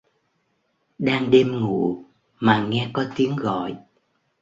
Đang đêm ngủ mà nghe có tiếng gọi